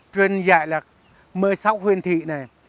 truyền dạy là mơ sáu huyền thị này